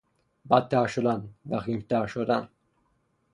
بدتر شدن، وخیمتر شدن